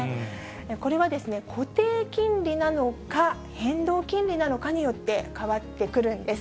これは、固定金利なのか、変動金利なのかによって変わってくるんです。